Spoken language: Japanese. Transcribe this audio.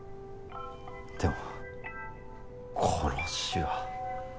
でも殺しは。